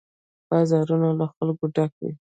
بازارونه له خلکو ډک وي.